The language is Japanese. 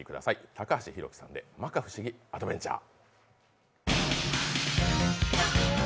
高橋洋樹さんで「摩訶不思議アドベンチャー！」。